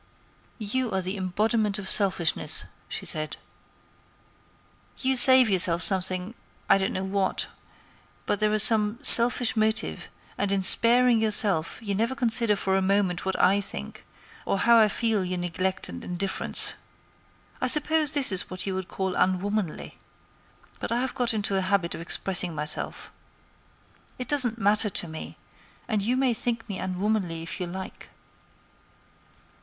"You are the embodiment of selfishness," she said. "You save yourself something—I don't know what—but there is some selfish motive, and in sparing yourself you never consider for a moment what I think, or how I feel your neglect and indifference. I suppose this is what you would call unwomanly; but I have got into a habit of expressing myself. It doesn't matter to me, and you may think me unwomanly if you like."